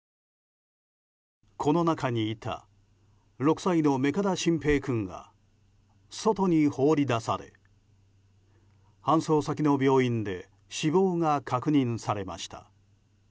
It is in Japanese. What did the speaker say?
この中にいた６歳の目加田慎平君が外に放り出され、搬送先の病院で死亡が確認されました。